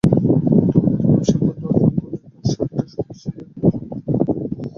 দলগতভাবে সাফল্য অর্জন করলেই তার স্বাদটা সবচেয়ে ভালো অনুভব করা যায়।